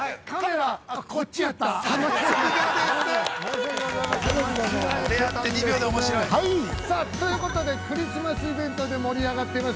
はい、さあ、ということで、クリスマスイベントで盛り上がっています